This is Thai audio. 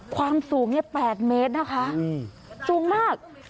ความสูงเนี่ยแปดเมตรนะคะสูงมาก